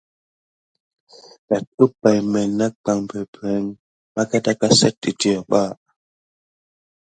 Tane umpay məlé naŋ zate peppreŋ tabas kisime siga.